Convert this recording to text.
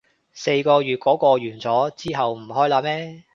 四月嗰個完咗，之後唔開喇咩